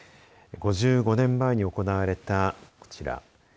５５年前に行われたこちら。